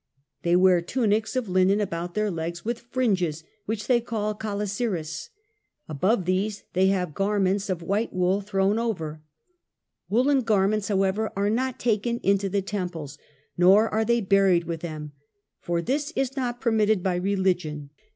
They wear tunics of linen about their legs with fringes, which they call calasiris; above these they have garments of white wool thrown over: woolen garments however are not taken into the temples, nor are they buried with them, for this is not permitted by religion.